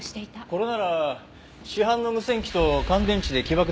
これなら市販の無線機と乾電池で起爆出来ます。